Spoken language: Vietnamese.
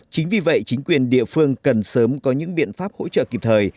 chính vì vậy chính quyền địa phương cần sớm có những biện pháp hỗ trợ kịp thời